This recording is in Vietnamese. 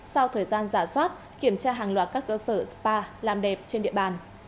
sau thời gian giả soát kiểm tra hàng loạt các cơ sở spa làm đẹp trên địa bàn